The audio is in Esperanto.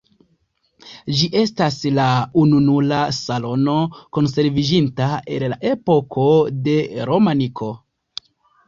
Ĝi estas la ununura salono konserviĝinta el la epoko de romaniko.